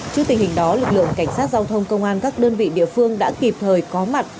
trước tình hình đó lực lượng cảnh sát giao thông công an các đơn vị địa phương đã kịp thời có mặt